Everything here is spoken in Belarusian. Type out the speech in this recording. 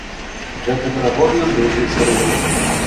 Гэта верагодна быў бы серыял.